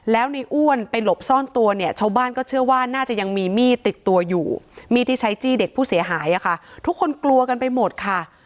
แล้วในอ้วนไปหลบซ่อนตัวเนี่ยชาวบ้านก็เชื่อว่าน่าจะยังมีมีดติดตัวอยู่มีดที่ใช้จี้เด็กผู้เสียหายอ่ะค่ะทุกคนกลัวกันไปหมดค่ะ